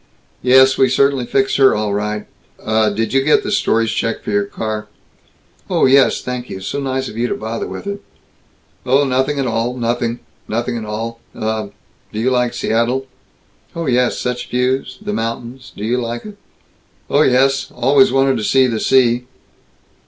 "Yes. We certainly fixed her, all right. Uh did you get the storage check for your car?" "Oh yes, thank you. So nice of you to bother with it." "Oh, nothing at all, nothing Nothing at all. Uh Do you like Seattle?" "Oh yes. Such views the mountains Do you like it?" "Oh yes. Always wanted to see the sea."